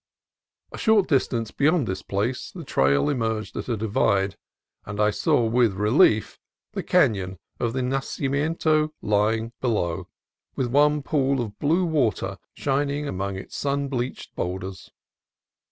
A short distance beyond this place the trail emerged at a divide, and I saw with relief the canon of the Nacimiento lying below, with one pool of blue water shining among its sun bleached boulders.